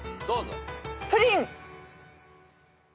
どうぞ。